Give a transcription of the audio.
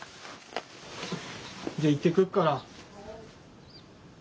じゃあ行ってくっから。